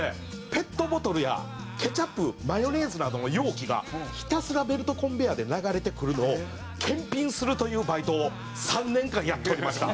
ペットボトルやケチャップマヨネーズなどの容器がひたすらベルトコンベヤーで流れてくるのを検品するというバイトを３年間やっておりました。